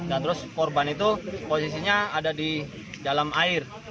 dan terus korban itu posisinya ada di dalam air